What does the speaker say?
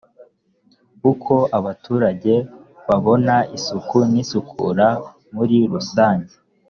uko abaturage babona isuku n’isukura muri rusange